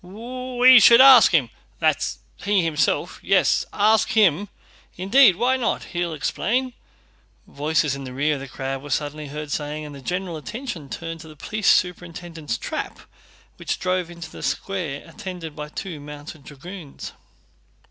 "We should ask him... that's he himself?"... "Yes, ask him indeed!... Why not? He'll explain"... voices in the rear of the crowd were suddenly heard saying, and the general attention turned to the police superintendent's trap which drove into the square attended by two mounted dragoons.